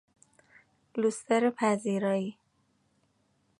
لوستر پذیرایی